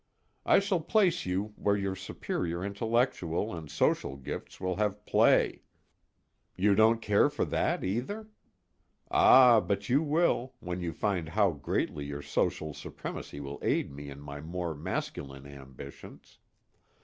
I shall place you where your superior intellectual and social gifts will have play. You don't care for that either? Ah! but you will, when you find how greatly your social supremacy will aid me in my more masculine ambitions.